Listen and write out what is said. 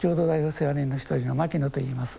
世話人の一人の牧野と言います。